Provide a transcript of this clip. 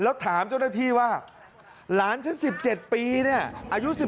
แล้วถามเจ้าหน้าที่ว่าหลานชั้น๑๗ปีอายุ๑๗ปล่อยให้เข้าไปได้ยังไง